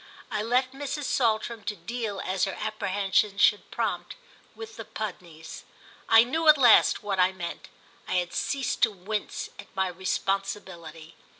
I left Mrs. Saltram to deal as her apprehensions should prompt with the Pudneys. I knew at last what I meant—I had ceased to wince at my responsibility.